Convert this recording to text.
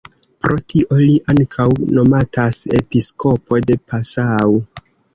Pro tio li ankaŭ nomatas "Episkopo de Passau".